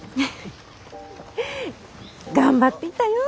頑張っていたよ！